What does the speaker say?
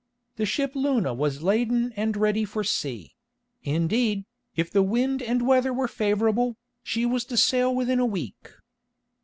The ship Luna was laden and ready for sea; indeed, if the wind and weather were favourable, she was to sail within a week.